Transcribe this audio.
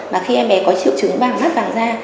mà khi em bé có triệu chứng vàng mắt vàng da